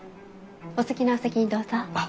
お好きなお席にどうぞ。